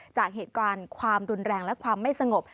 จากเหตุการณ์ความรุนแรงและความไม่สงบ